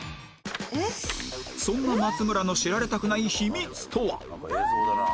そんな松村の知られたくない秘密とは？なんか映像だな。